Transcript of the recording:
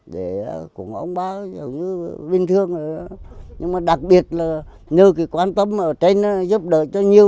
để cùng ông bà dù như bình thường nhưng mà đặc biệt là nơi quan tâm ở trên giúp đỡ cho nhiều